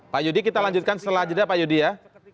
pak yudi kita lanjutkan setelah jeda pak yudi ya